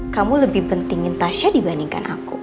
kamu lebih pentingin tasha dibandingkan aku